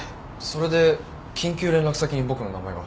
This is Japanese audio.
それで緊急連絡先に僕の名前が？